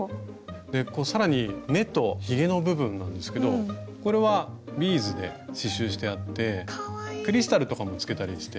更に目とひげの部分なんですけどこれはビーズで刺しゅうしてあってクリスタルとかもつけたりして。